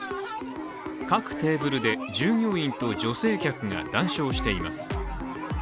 各テーブルで従業員と女性客が談笑しています。